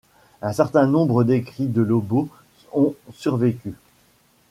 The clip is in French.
Un certain nombre d'écrits de Lobo ont survécu.